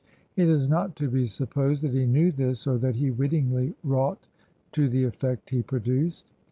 It is not to be supposed that he knew this, or that he wittingly wrought to the effect he produced.